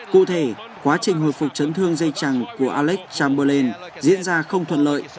cụ thể quá trình hồi phục chấn thương dây chẳng của alex chamberlen diễn ra không thuận lợi